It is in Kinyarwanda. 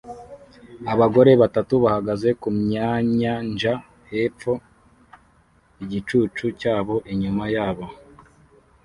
Abagore batatu bahagaze kumyanyanja hepfo igicucu cyabo inyuma yabo